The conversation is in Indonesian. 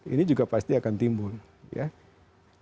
ini juga pasti akan timbulkan